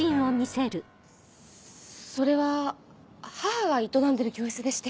それは母が営んでる教室でして。